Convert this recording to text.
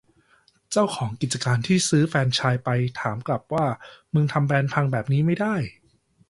เจ้าของกิจการที่ซื้อแฟรนไซส์ไปถามกลับว่ามึงทำแบรนด์พังแบบนี้ไม่ได้